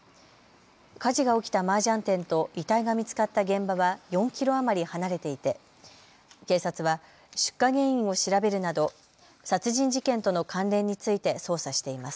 火事が起きたマージャン店と遺体が見つかった現場は４キロ余り離れていて警察は出火原因を調べるなど殺人事件との関連について捜査しています。